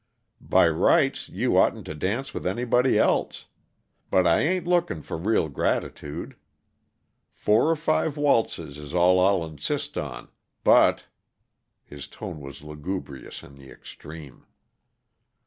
By rights, you oughtn't to dance with anybody else. But I ain't looking for real gratitude. Four or five waltzes is all I'll insist on, but " His tone was lugubrious in the extreme.